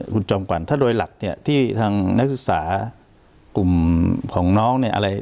คุณจอมขวัญถ้าโดยหลักเนี่ยที่ทางนักศึกษากลุ่มของน้องเนี่ยอะไร